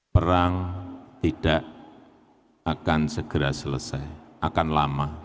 perang tidak akan segera selesai akan lama